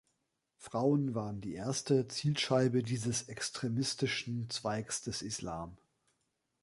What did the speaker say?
Frauen waren die erste Zielscheibe dieses extremistischen Zweigs des Islam.